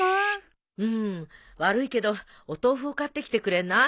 うん悪いけどお豆腐を買ってきてくれない？